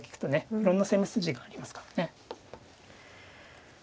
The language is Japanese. いろんな攻め筋がありますからね。